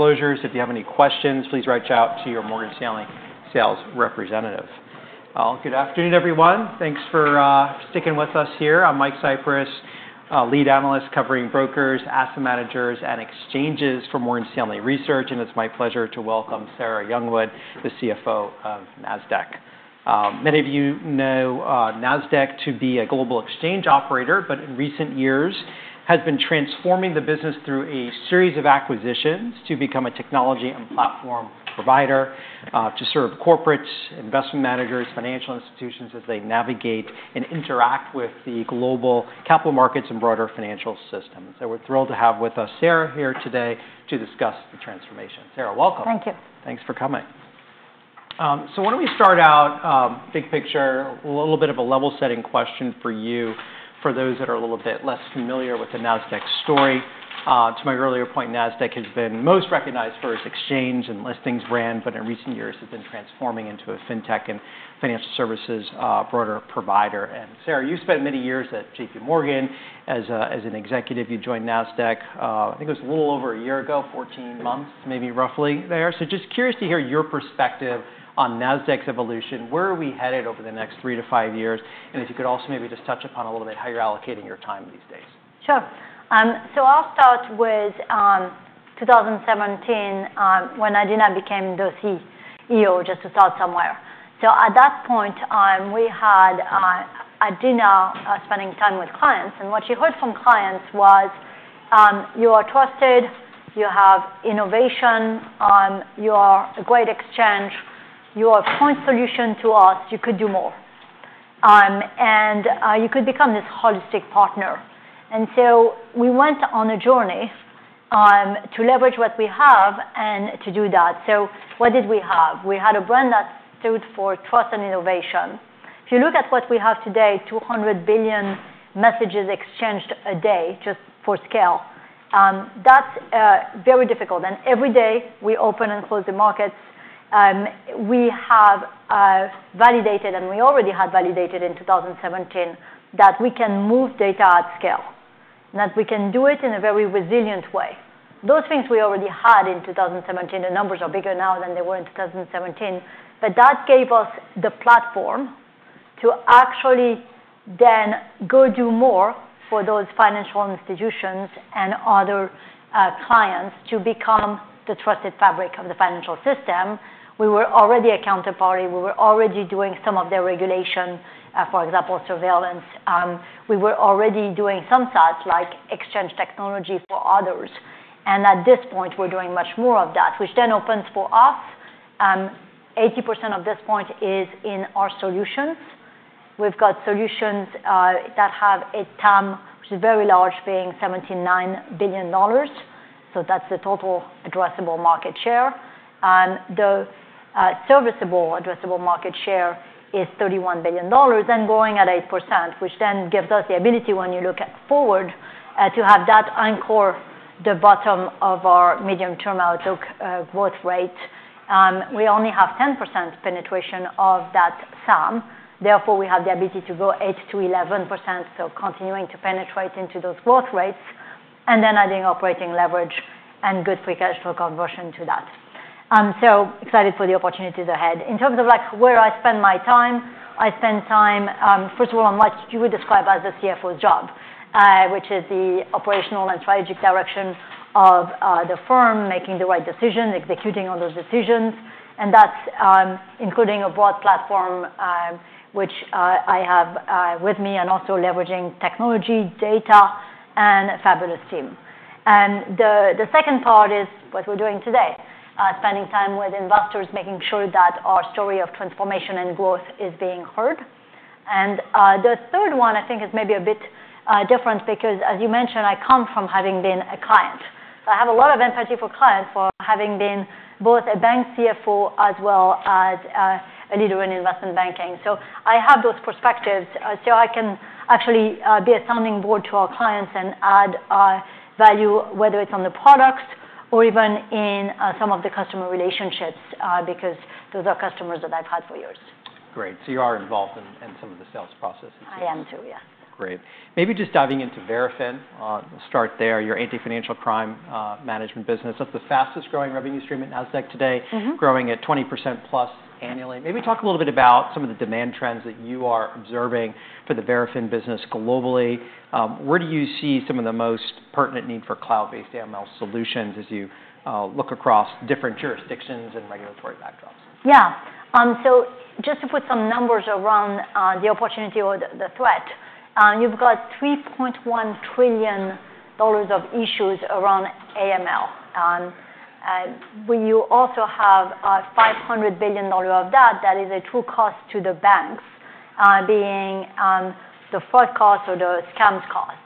Disclosures. If you have any questions, please reach out to your Morgan Stanley sales representative. Good afternoon, everyone. Thanks for sticking with us here. I'm Mike Cyprys, lead analyst covering brokers, asset managers, and exchanges for Morgan Stanley Research. And it's my pleasure to welcome Sarah Youngwood, the CFO of Nasdaq. Many of you know Nasdaq to be a global exchange operator, but in recent years has been transforming the business through a series of acquisitions to become a technology and platform provider to serve corporates, investment managers, financial institutions as they navigate and interact with the global capital markets and broader financial systems. And we're thrilled to have with us Sarah here today to discuss the transformation. Sarah, welcome. Thank you. Thanks for coming. Why don't we start out big picture, a little bit of a level-setting question for you, for those that are a little bit less familiar with the Nasdaq story. To my earlier point, Nasdaq has been most recognized for its exchange and listings brand, but in recent years has been transforming into a fintech and financial services broader provider. Sarah, you spent many years at JPMorgan as an executive. You joined Nasdaq, I think it was a little over a year ago, 14 months, maybe roughly there. Just curious to hear your perspective on Nasdaq's evolution. Where are we headed over the next three to five years? If you could also maybe just touch upon a little bit how you're allocating your time these days. Sure. So I'll start with 2017 when Adena became the CEO, just to start somewhere. So at that point, we had Adena spending time with clients. And what she heard from clients was, you are trusted, you have innovation, you are a great exchange, you are a point solution to us, you could do more. And you could become this holistic partner. And so we went on a journey to leverage what we have and to do that. So what did we have? We had a brand that stood for trust and innovation. If you look at what we have today, 200 billion messages exchanged a day, just for scale. That's very difficult. And every day we open and close the markets. We have validated, and we already had validated in 2017, that we can move data at scale, that we can do it in a very resilient way. Those things we already had in 2017. The numbers are bigger now than they were in 2017. But that gave us the platform to actually then go do more for those financial institutions and other clients to become the trusted fabric of the financial system. We were already a counterparty. We were already doing some of their regulation, for example, surveillance. We were already doing some sites like exchange technology for others. And at this point, we're doing much more of that, which then opens for us. 80% at this point is in our solutions. We've got solutions that have a TAM, which is very large, being $79 billion. So that's the total addressable market. The serviceable addressable market is $31 billion and growing at 8%, which then gives us the ability when you look forward to have that anchor the bottom of our medium-term outlook growth rate. We only have 10% penetration of that SAM. Therefore, we have the ability to go 8%-11%. So, continuing to penetrate into those growth rates and then adding operating leverage and good free cash flow conversion to that. So, excited for the opportunities ahead. In terms of where I spend my time, I spend time, first of all, on what you would describe as the CFO's job, which is the operational and strategic direction of the firm, making the right decisions, executing on those decisions. And that's including a broad platform, which I have with me and also leveraging technology, data, and a fabulous team. And the second part is what we're doing today, spending time with investors, making sure that our story of transformation and growth is being heard. The third one, I think, is maybe a bit different because, as you mentioned, I come from having been a client. So I have a lot of empathy for clients for having been both a bank CFO as well as a leader in investment banking. So I have those perspectives so I can actually be a sounding board to our clients and add value, whether it's on the products or even in some of the customer relationships because those are customers that I've had for years. Great, so you are involved in some of the sales processes. I am too, yes. Great. Maybe just diving into Verafin. We'll start there. Your anti-financial crime management business. That's the fastest growing revenue stream at Nasdaq today, growing at 20% plus annually. Maybe talk a little bit about some of the demand trends that you are observing for the Verafin business globally. Where do you see some of the most pertinent need for cloud-based AML solutions as you look across different jurisdictions and regulatory backdrops? Yeah. So just to put some numbers around the opportunity or the threat, you've got $3.1 trillion of issues around AML. We also have $500 billion of that. That is a true cost to the banks, being the fraud cost or the scams cost.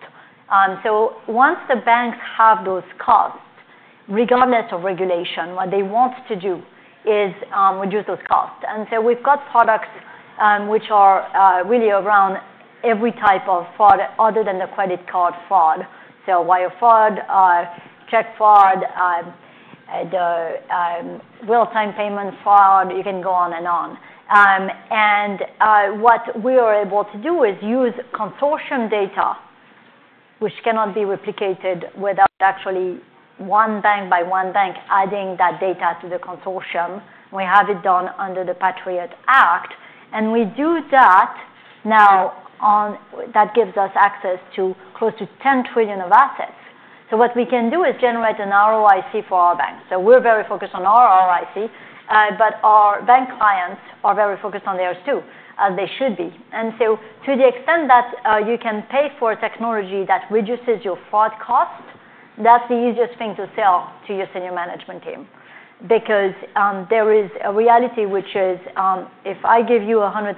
So once the banks have those costs, regardless of regulation, what they want to do is reduce those costs. And so we've got products which are really around every type of fraud other than the credit card fraud. So wire fraud, check fraud, real-time payment fraud, you can go on and on. And what we are able to do is use consortium data, which cannot be replicated without actually one bank by one bank adding that data to the consortium. We have it done under the Patriot Act. And we do that. Now that gives us access to close to $10 trillion of assets. So what we can do is generate an ROIC for our bank. So we're very focused on our ROIC, but our bank clients are very focused on theirs too, as they should be. And so to the extent that you can pay for technology that reduces your fraud cost, that's the easiest thing to sell to your senior management team because there is a reality which is if I give you $100,000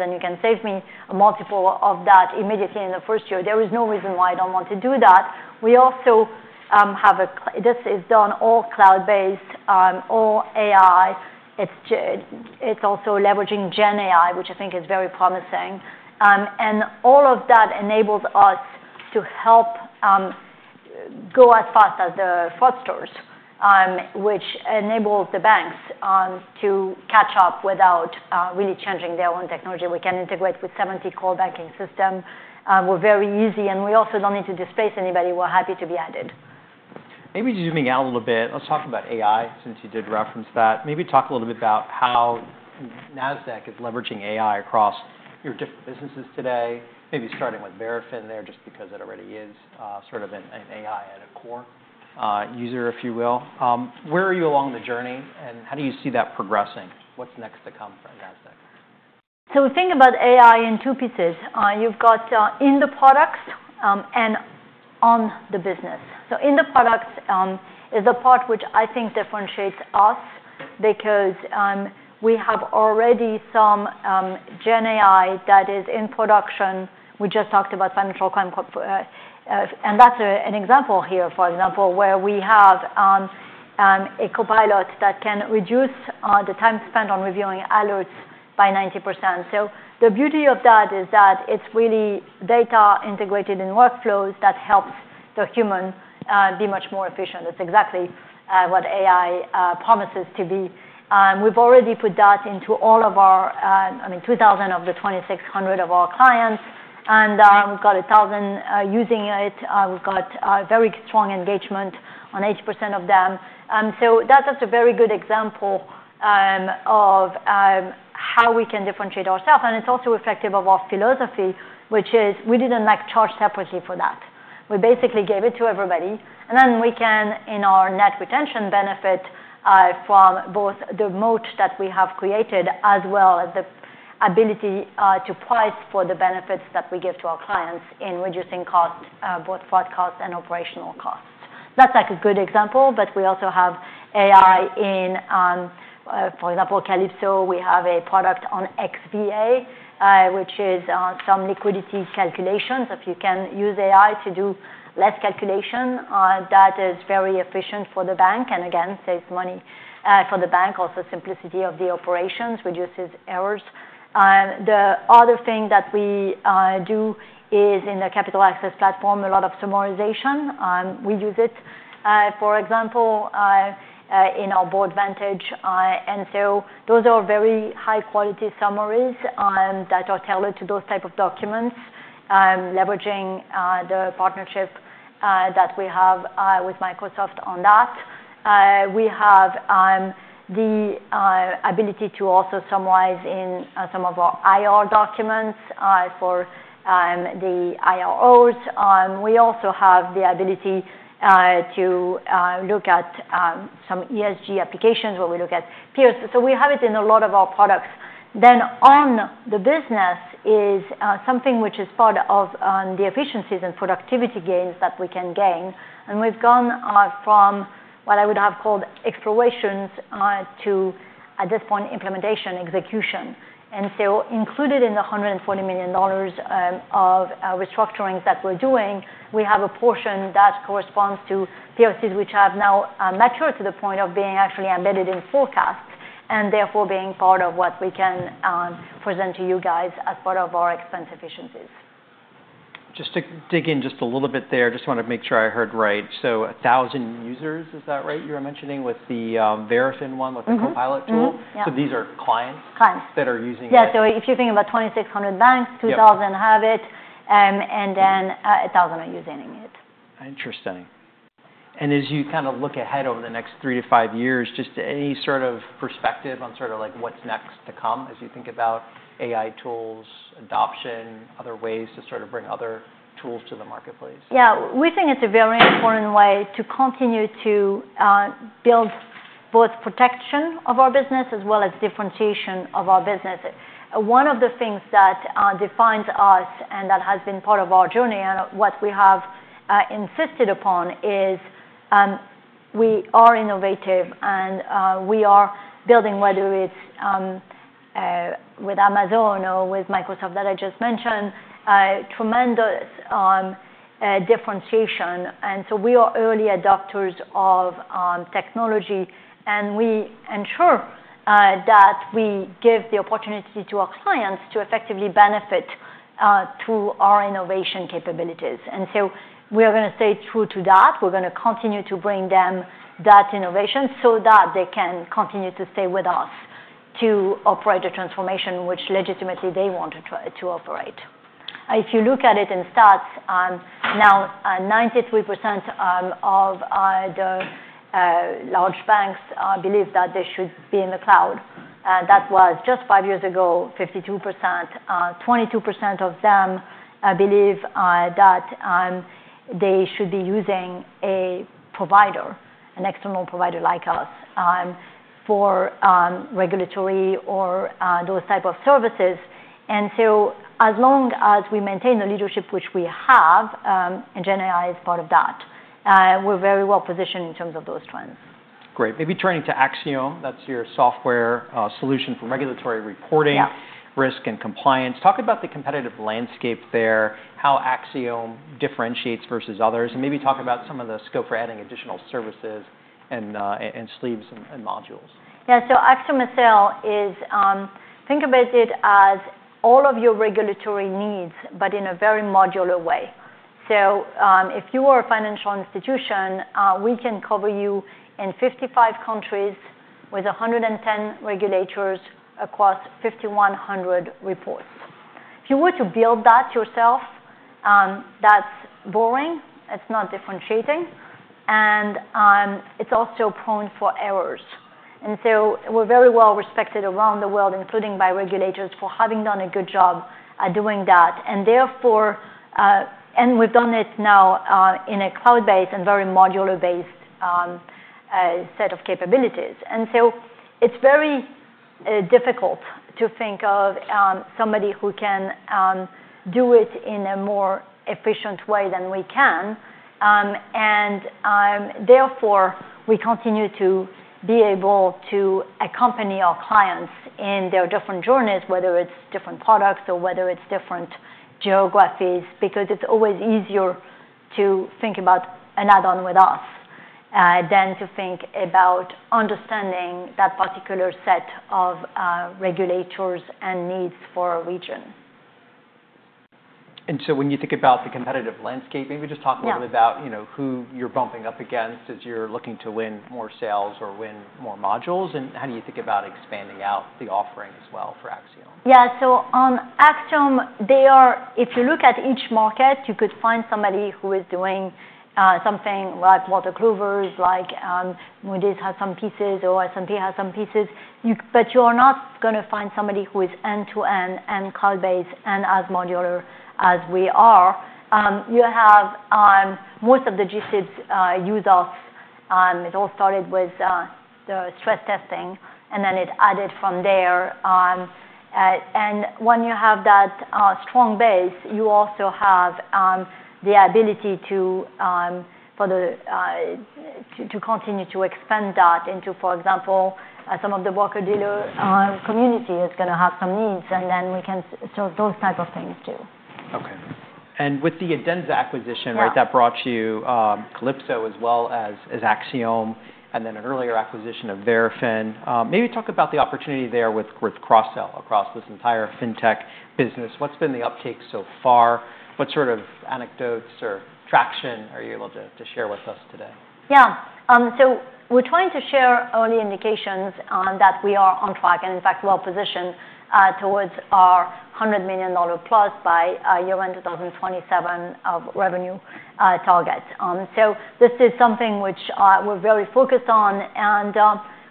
and you can save me a multiple of that immediately in the first year, there is no reason why I don't want to do that. We also have this is done all cloud-based, all AI. It's also leveraging GenAI, which I think is very promising. And all of that enables us to help go as fast as the fraudsters, which enables the banks to catch up without really changing their own technology. We can integrate with 70 core banking systems. We're very easy. And we also don't need to displace anybody. We're happy to be added. Maybe zooming out a little bit, let's talk about AI since you did reference that. Maybe talk a little bit about how Nasdaq is leveraging AI across your different businesses today, maybe starting with Verafin there just because it already is sort of an AI at a core user, if you will. Where are you along the journey and how do you see that progressing? What's next to come for Nasdaq? So we think about AI in two pieces. You've got in the products and on the business. So in the products is the part which I think differentiates us because we have already some GenAI that is in production. We just talked about financial crime. And that's an example here, for example, where we have a copilot that can reduce the time spent on reviewing alerts by 90%. So the beauty of that is that it's really data integrated in workflows that helps the human be much more efficient. That's exactly what AI promises to be. We've already put that into all of our, I mean, 2,000 of the 2,600 of our clients. And we've got 1,000 using it. We've got very strong engagement on 80% of them. So that's just a very good example of how we can differentiate ourselves. It's also reflective of our philosophy, which is we didn't charge separately for that. We basically gave it to everybody. Then we can, in our net retention benefit from both the moat that we have created as well as the ability to price for the benefits that we give to our clients in reducing cost, both fraud cost and operational cost. That's a good example. But we also have AI in, for example, Calypso. We have a product on XVA, which is some liquidity calculations. If you can use AI to do less calculation, that is very efficient for the bank and again, saves money for the bank. Also, simplicity of the operations reduces errors. The other thing that we do is in the Capital Access Platform, a lot of summarization. We use it, for example, in our Boardvantage. And so those are very high-quality summaries that are tailored to those types of documents, leveraging the partnership that we have with Microsoft on that. We have the ability to also summarize in some of our IR documents for the IROs. We also have the ability to look at some ESG applications where we look at peers. So we have it in a lot of our products. Then on the business is something which is part of the efficiencies and productivity gains that we can gain. And we've gone from what I would have called explorations to, at this point, implementation, execution. Included in the $140 million of restructurings that we're doing, we have a portion that corresponds to POCs which have now matured to the point of being actually embedded in forecasts and therefore being part of what we can present to you guys as part of our expense efficiencies. Just to dig in just a little bit there, just want to make sure I heard right. So 1,000 users, is that right you were mentioning with the Verafin one, with the copilot tool? Yeah. These are clients that are using it. Yeah. So if you think about 2,600 banks, 2,000 have it, and then 1,000 are using it. Interesting, and as you kind of look ahead over the next three to five years, just any sort of perspective on sort of what's next to come as you think about AI tools, adoption, other ways to sort of bring other tools to the marketplace? Yeah. We think it's a very important way to continue to build both protection of our business as well as differentiation of our business. One of the things that defines us and that has been part of our journey and what we have insisted upon is we are innovative and we are building, whether it's with Amazon or with Microsoft that I just mentioned, tremendous differentiation. And so we are early adopters of technology. And we ensure that we give the opportunity to our clients to effectively benefit through our innovation capabilities. And so we are going to stay true to that. We're going to continue to bring them that innovation so that they can continue to stay with us to operate a transformation which legitimately they want to operate. If you look at it in stats, now 93% of the large banks believe that they should be in the cloud. That was just five years ago, 52%. 22% of them believe that they should be using a provider, an external provider like us, for regulatory or those types of services, and so as long as we maintain the leadership which we have, and GenAI is part of that, we're very well positioned in terms of those trends. Great. Maybe turning to Axiom, that's your software solution for regulatory reporting, risk, and compliance. Talk about the competitive landscape there, how axiom differentiates versus others, and maybe talk about some of the scope for adding additional services and sleeves and modules. Yeah, so AxiomSL is think of it as all of your regulatory needs, but in a very modular way, so if you are a financial institution, we can cover you in 55 countries with 110 regulators across 5,100 reports. If you were to build that yourself, that's boring, it's not differentiating, and it's also prone for errors, and so we're very well respected around the world, including by regulators, for having done a good job at doing that, and we've done it now in a cloud-based and very modular-based set of capabilities, and so it's very difficult to think of somebody who can do it in a more efficient way than we can. Therefore, we continue to be able to accompany our clients in their different journeys, whether it's different products or whether it's different geographies, because it's always easier to think about an add-on with us than to think about understanding that particular set of regulators and needs for a region. And so when you think about the competitive landscape, maybe just talk a little bit about who you're bumping up against as you're looking to win more sales or win more modules? And how do you think about expanding out the offering as well for Axiom? Yeah. So on Axiom, if you look at each market, you could find somebody who is doing something like Wolters Kluwer, like Moody's has some pieces or S&P has some pieces. But you are not going to find somebody who is end-to-end and cloud-based and as modular as we are. Most of the G-SIBs use us. It all started with the stress testing, and then it added from there. And when you have that strong base, you also have the ability to continue to expand that into, for example, some of the broker-dealer community is going to have some needs. And then we can solve those types of things too. Okay. And with the Adenza's acquisition, right, that brought you Calypso as well as Axiom and then an earlier acquisition of Verafin. Maybe talk about the opportunity there with cross-sell across this entire fintech business. What's been the uptake so far? What sort of anecdotes or traction are you able to share with us today? Yeah. So we're trying to share early indications that we are on track and, in fact, well positioned towards our $100 million plus by year-end 2027 of revenue target. So this is something which we're very focused on. And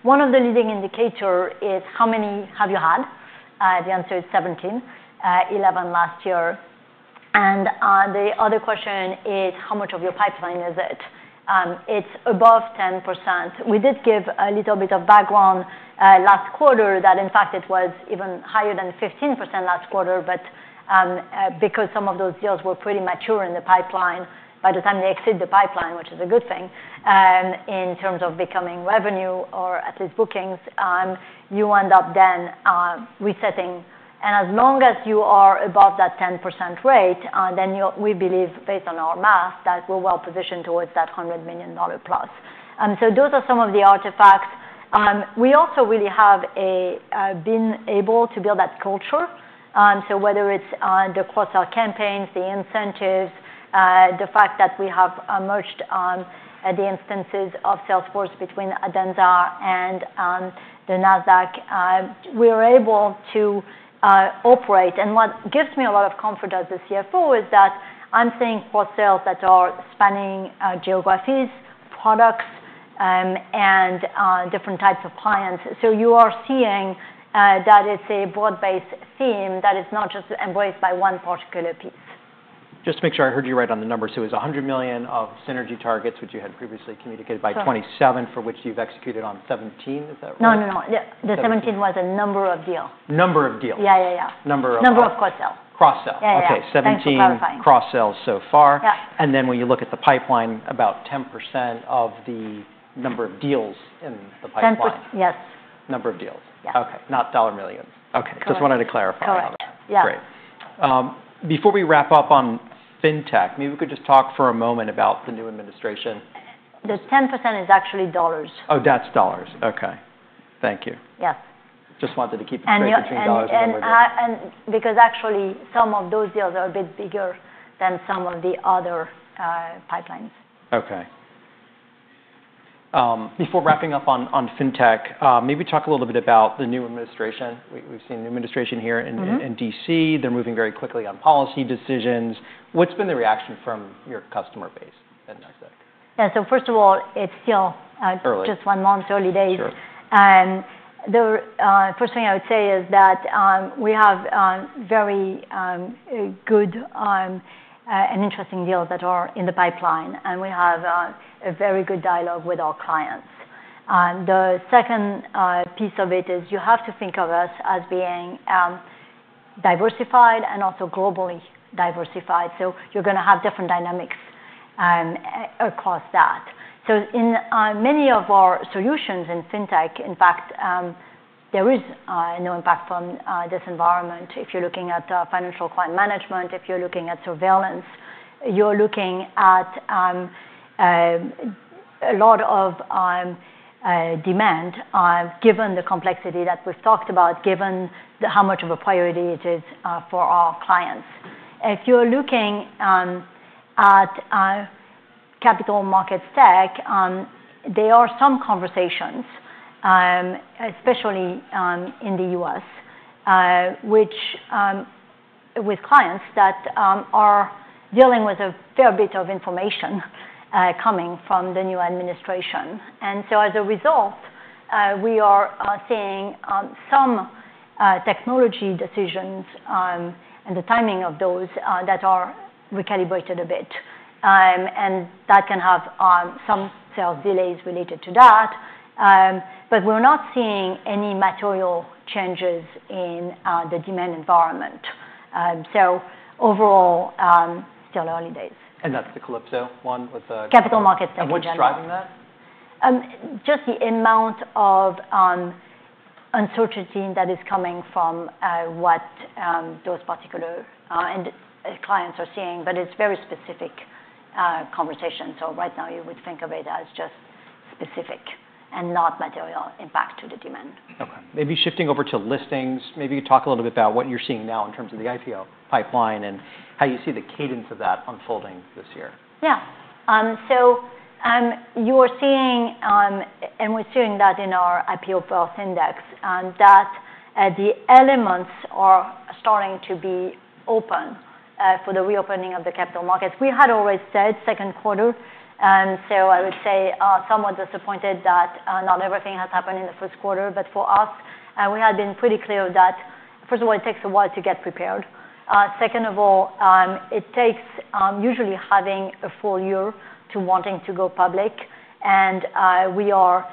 one of the leading indicators is how many have you had? The answer is 17, 11 last year. And the other question is how much of your pipeline is it? It's above 10%. We did give a little bit of background last quarter that, in fact, it was even higher than 15% last quarter. But because some of those deals were pretty mature in the pipeline, by the time they exit the pipeline, which is a good thing in terms of becoming revenue or at least bookings, you end up then resetting. As long as you are above that 10% rate, we believe, based on our math, that we're well positioned towards that $100 million plus. Those are some of the artifacts. We also really have been able to build that culture. Whether it's the cross-sell campaigns, the incentives, the fact that we have merged the instances of Salesforce between Adenza and Nasdaq, we are able to operate. What gives me a lot of comfort as the CFO is that I'm seeing cross-sales that are spanning geographies, products, and different types of clients. You are seeing that it's a broad-based theme that is not just embraced by one particular piece. Just to make sure I heard you right on the numbers. So it was $100 million of synergy targets, which you had previously communicated by 2027, for which you've executed on $17 million. Is that right? No, no, no. The 17 was a number of deals. Number of deals. Yeah, yeah, yeah. Number of. Number of cross-sell. Cross-sell. Okay. 17 cross-sells so far, and then when you look at the pipeline, about 10% of the number of deals in the pipeline. 10%, yes. Number of deals. Yeah. Okay. Not dollar millions. Okay. Just wanted to clarify that. Correct. Great. Before we wrap up on fintech, maybe we could just talk for a moment about the new administration. The 10% is actually dollars. Oh, that's dollars. Okay. Thank you. Yes. Just wanted to keep it between dollars and dollars. Because actually some of those deals are a bit bigger than some of the other pipelines. Okay. Before wrapping up on fintech, maybe talk a little bit about the new administration. We've seen the new administration here in DC. They're moving very quickly on policy decisions. What's been the reaction from your customer base at Nasdaq? Yeah. So first of all, it's still just one month early days. Early days. Sure. The first thing I would say is that we have very good and interesting deals that are in the pipeline, and we have a very good dialogue with our clients. The second piece of it is you have to think of us as being diversified and also globally diversified, so you're going to have different dynamics across that, so in many of our solutions in fintech, in fact, there is no impact from this environment. If you're looking at Financial Crime Management, if you're looking at surveillance, you're looking at a lot of demand given the complexity that we've talked about, given how much of a priority it is for our clients. If you're looking at capital market stack, there are some conversations, especially in the U.S., with clients that are dealing with a fair bit of information coming from the new administration. And so as a result, we are seeing some technology decisions and the timing of those that are recalibrated a bit. And that can have some sales delays related to that. But we're not seeing any material changes in the demand environment. So overall, still early days. That's the Calypso one with the. Capital markets that we have. What's driving that? Just the amount of uncertainty that is coming from what those particular clients are seeing. But it's very specific conversation. So right now, you would think of it as just specific and not material impact to the demand. Okay. Maybe shifting over to listings, maybe talk a little bit about what you're seeing now in terms of the IPO pipeline and how you see the cadence of that unfolding this year? Yeah. So you are seeing, and we're seeing that in our IPO Pulse Index, that the elements are starting to be open for the reopening of the capital markets. We had already said second quarter. So I would say somewhat disappointed that not everything has happened in the first quarter. But for us, we had been pretty clear that, first of all, it takes a while to get prepared. Second of all, it takes usually having a full year to wanting to go public. And we are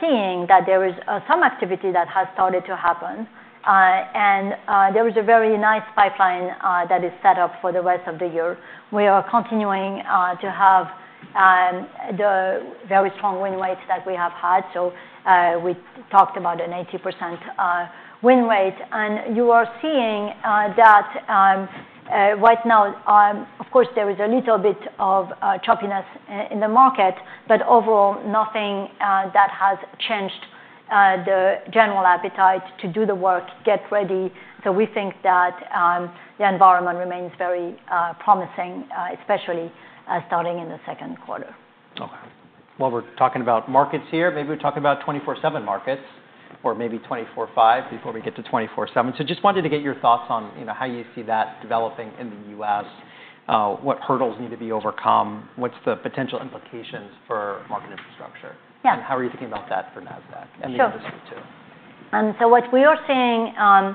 seeing that there is some activity that has started to happen. And there is a very nice pipeline that is set up for the rest of the year. We are continuing to have the very strong win rate that we have had. So we talked about an 80% win rate. You are seeing that right now, of course. There is a little bit of choppiness in the market, but overall, nothing that has changed the general appetite to do the work, get ready. We think that the environment remains very promising, especially starting in the second quarter. Okay. While we're talking about markets here, maybe we're talking about 24/7 markets or maybe 24/5 before we get to 24/7. So just wanted to get your thoughts on how you see that developing in the U.S., what hurdles need to be overcome, what's the potential implications for market infrastructure? Yeah. How are you thinking about that for Nasdaq and the industry too? So what we are seeing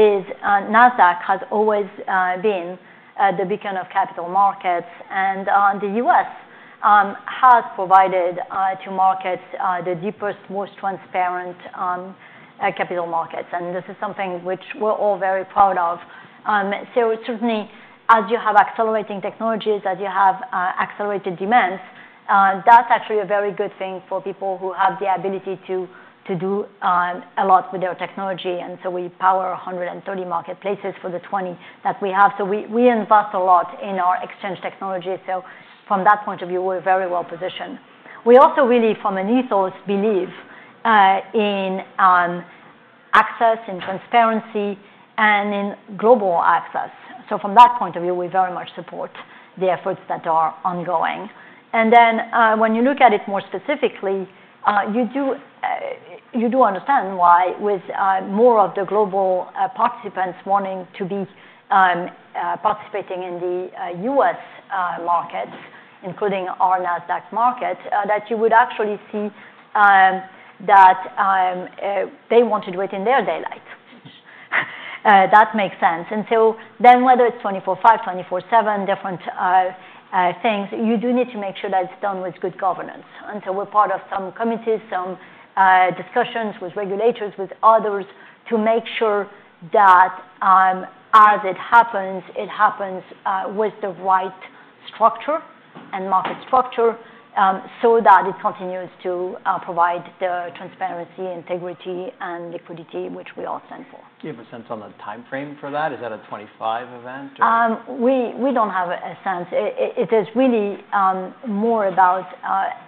is Nasdaq has always been the beacon of capital markets. And the U.S. has provided to markets the deepest, most transparent capital markets. And this is something which we're all very proud of. So certainly, as you have accelerating technologies, as you have accelerated demands, that's actually a very good thing for people who have the ability to do a lot with their technology. And so we power 130 marketplaces for the 20 that we have. So we invest a lot in our exchange technology. So from that point of view, we're very well positioned. We also really, from an ethos, believe in access, in transparency, and in global access. So from that point of view, we very much support the efforts that are ongoing. And then when you look at it more specifically, you do understand why with more of the global participants wanting to be participating in the U.S. markets, including our Nasdaq market, that you would actually see that they want to do it in their daylight. That makes sense. And so then whether it's 24/5, 24/7, different things, you do need to make sure that it's done with good governance. And so we're part of some committees, some discussions with regulators, with others to make sure that as it happens, it happens with the right structure and market structure so that it continues to provide the transparency, integrity, and liquidity which we all stand for. Do you have a sense on the timeframe for that? Is that a 2025 event or? We don't have a sense. It is really more about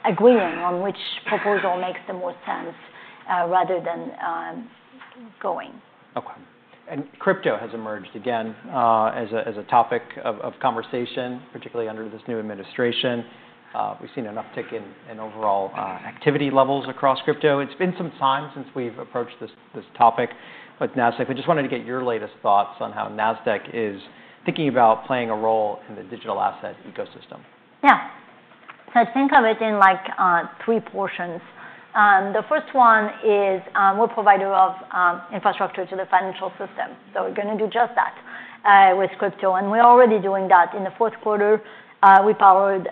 agreeing on which proposal makes the most sense rather than going. Okay. And crypto has emerged again as a topic of conversation, particularly under this new administration. We've seen an uptick in overall activity levels across crypto. It's been some time since we've approached this topic with Nasdaq. We just wanted to get your latest thoughts on how Nasdaq is thinking about playing a role in the digital asset ecosystem. Yeah. So I think of it in three portions. The first one is we're a provider of infrastructure to the financial system. So we're going to do just that with crypto. And we're already doing that. In the fourth quarter, we powered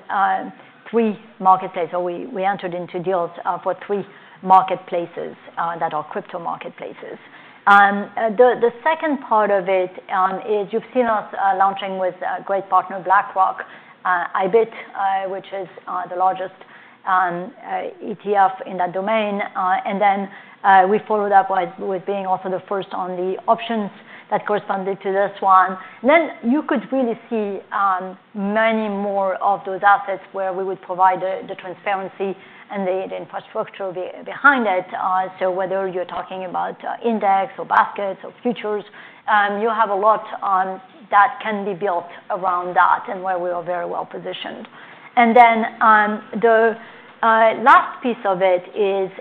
three marketplaces. So we entered into deals for three marketplaces that are crypto marketplaces. The second part of it is you've seen us launching with a great partner, BlackRock, IBIT, which is the largest ETF in that domain. And then we followed up with being also the first on the options that corresponded to this one. Then you could really see many more of those assets where we would provide the transparency and the infrastructure behind it. So whether you're talking about index or baskets or futures, you have a lot that can be built around that and where we are very well positioned. And then the last piece of it is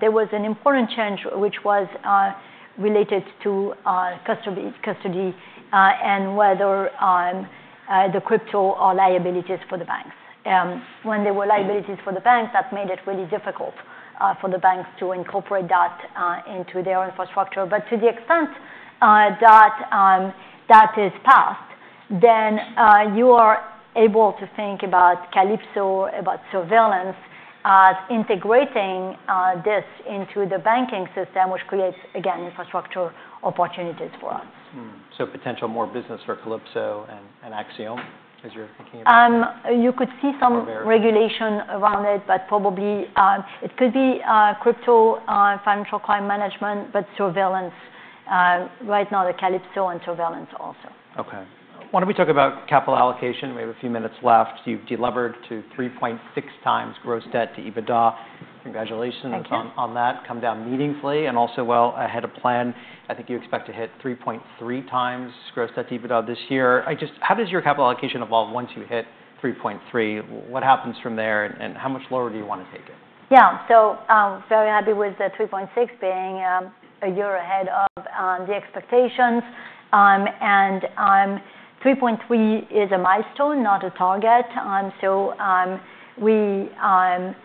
there was an important change which was related to custody and whether the crypto are liabilities for the banks. When there were liabilities for the banks, that made it really difficult for the banks to incorporate that into their infrastructure. But to the extent that that is passed, then you are able to think about Calypso, about surveillance, as integrating this into the banking system, which creates, again, infrastructure opportunities for us. So potential more business for Calypso and Axiom as you're thinking about. You could see some regulation around it, but probably it could be crypto financial crime management, but surveillance. Right now, the Calypso and surveillance also. Okay. Why don't we talk about capital allocation? We have a few minutes left. You've delivered to 3.6 times gross debt to EBITDA. Congratulations on that. Thank you. Come down meaningfully and also well ahead of plan. I think you expect to hit 3.3 times gross debt to EBITDA this year. How does your capital allocation evolve once you hit 3.3? What happens from there and how much lower do you want to take it? Yeah. So very happy with the 3.6 being a year ahead of the expectations. And 3.3 is a milestone, not a target. So we are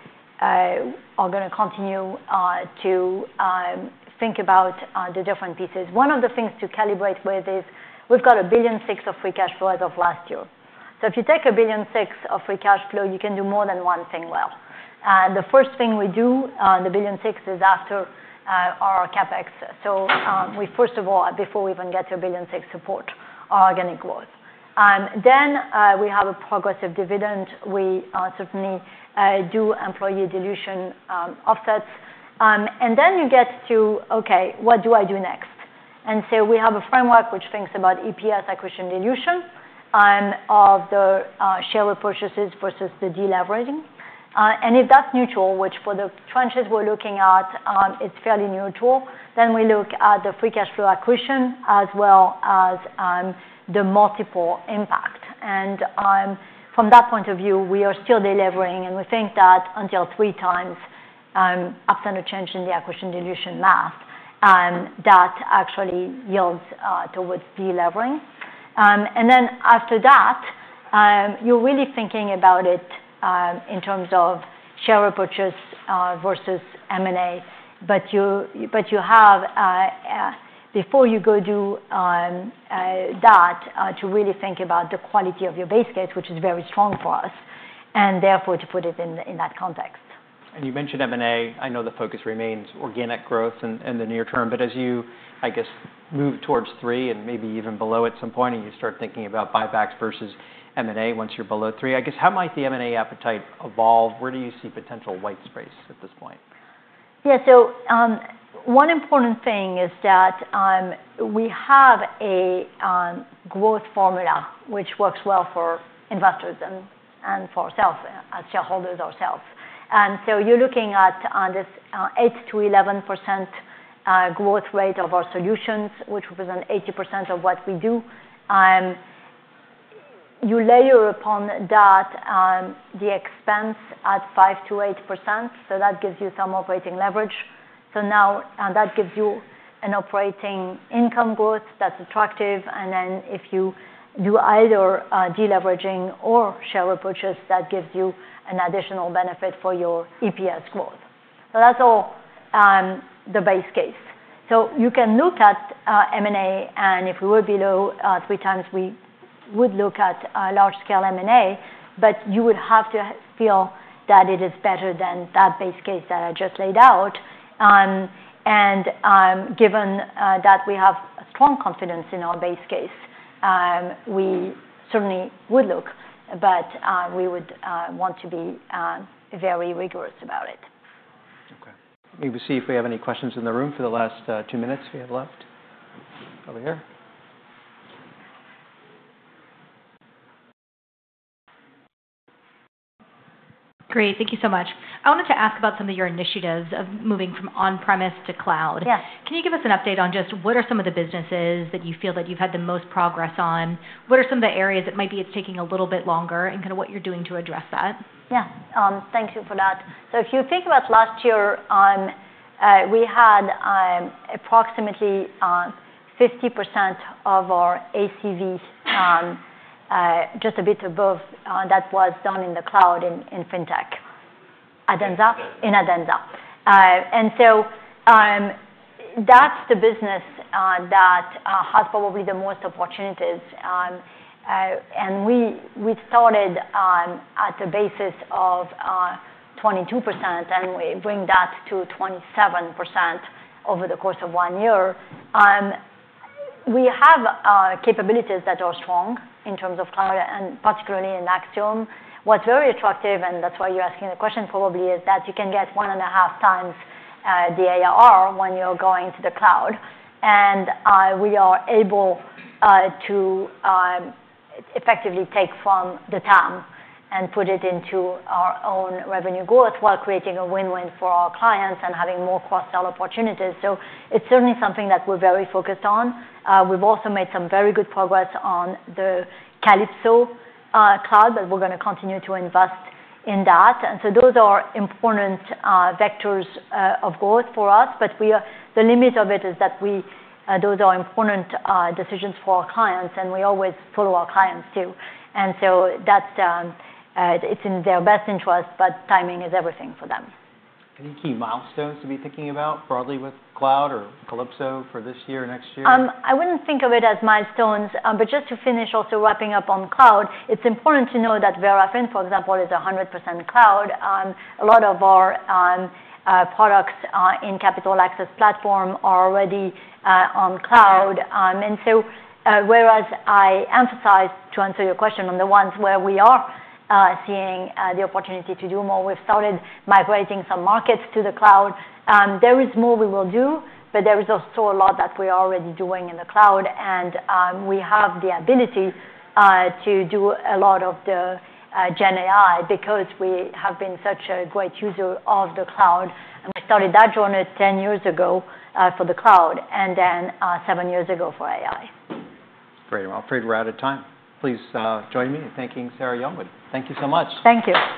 going to continue to think about the different pieces. One of the things to calibrate with is we've got $1.6 billion of free cash flow as of last year. So if you take $1.6 billion of free cash flow, you can do more than one thing well. The first thing we do, the $1.6 billion is after our CapEx. So we, first of all, before we even get to $1.6 billion support our organic growth. Then we have a progressive dividend. We certainly do employee dilution offsets. And then you get to, okay, what do I do next? And so we have a framework which thinks about EPS acquisition dilution of the share repurchases versus the deleveraging. And if that's neutral, which for the tranches we're looking at, it's fairly neutral, then we look at the free cash flow accretion as well as the multiple impact. And from that point of view, we are still delivering. And we think that until three times upside of change in the acquisition dilution math, that actually yields towards deleveraging. And then after that, you're really thinking about it in terms of share repurchase versus M&A. But you have, before you go do that, to really think about the quality of your base case, which is very strong for us, and therefore to put it in that context. And you mentioned M&A. I know the focus remains organic growth in the near term. But as you, I guess, move towards three and maybe even below at some point, and you start thinking about buybacks versus M&A once you're below three, I guess, how might the M&A appetite evolve? Where do you see potential white space at this point? Yeah. So one important thing is that we have a growth formula which works well for investors and for ourselves, shareholders ourselves. So you're looking at this 8%-11% growth rate of our solutions, which represents 80% of what we do. You layer upon that the expense at 5%-8%. So that gives you some operating leverage. So now that gives you an operating income growth that's attractive. And then if you do either deleveraging or share repurchase, that gives you an additional benefit for your EPS growth. So that's all the base case. So you can look at M&A. And if we were below three times, we would look at large scale M&A. But you would have to feel that it is better than that base case that I just laid out. Given that we have strong confidence in our base case, we certainly would look. We would want to be very rigorous about it. Okay. Maybe see if we have any questions in the room for the last two minutes we have left over here. Great. Thank you so much. I wanted to ask about some of your initiatives of moving from on-premise to cloud. Yeah. Can you give us an update on just what are some of the businesses that you feel that you've had the most progress on? What are some of the areas that might be it's taking a little bit longer and kind of what you're doing to address that? Yeah. Thank you for that. So if you think about last year, we had approximately 50% of our ACV, just a bit above, that was done in the cloud in FinTech. Adenza. In Adenza, and so that's the business that has probably the most opportunities. We started at the basis of 22%, and we bring that to 27% over the course of one year. We have capabilities that are strong in terms of cloud, and particularly in Axiom. What's very attractive, and that's why you're asking the question probably, is that you can get one and a half times the ARR when you're going to the cloud. We are able to effectively take from the TAM and put it into our own revenue growth while creating a win-win for our clients and having more cross-sell opportunities, so it's certainly something that we're very focused on. We've also made some very good progress on the Calypso cloud, but we're going to continue to invest in that, and so those are important vectors of growth for us. But the limit of it is that those are important decisions for our clients. And we always follow our clients too. And so it's in their best interest, but timing is everything for them. Any key milestones to be thinking about broadly with cloud or Calypso for this year or next year? I wouldn't think of it as milestones. But just to finish, also wrapping up on cloud, it's important to know that Verafin, for example, is 100% cloud. A lot of our products in Capital Access Platform are already on cloud. And so whereas I emphasized, to answer your question, on the ones where we are seeing the opportunity to do more, we've started migrating some markets to the cloud. There is more we will do, but there is also a lot that we are already doing in the cloud. And we have the ability to do a lot of the Gen AI because we have been such a great user of the cloud. And we started that journey 10 years ago for the cloud and then seven years ago for AI. Very well. Afraid we're out of time. Please join me in thanking Sarah Youngwood. Thank you so much. Thank you.